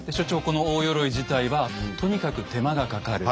この大鎧自体はとにかく手間がかかる。